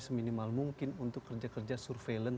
seminimal mungkin untuk kerja kerja surveillance